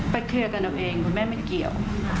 เคลียร์กันเอาเองคุณแม่ไม่เกี่ยว